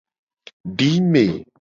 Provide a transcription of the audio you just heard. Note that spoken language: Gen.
Dime.